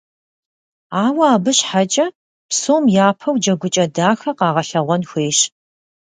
Ауэ абы щхьэкӀэ, псом япэу джэгукӀэ дахэ къагъэлъэгъуэн хуейщ.